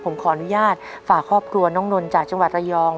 ผมขออนุญาตฝากครอบครัวน้องนนท์จากจังหวัดระยอง